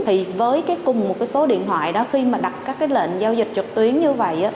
thì với cùng một số điện thoại đó khi mà đặt các lệnh giao dịch trực tuyến như vậy